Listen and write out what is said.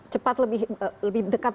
cepat lebih dekat